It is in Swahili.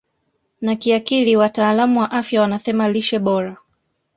na kiakili Wataalam wa afya wanasema lishe bora